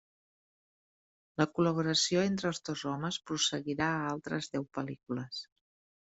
La col·laboració entre els dos homes prosseguirà a altres deu pel·lícules.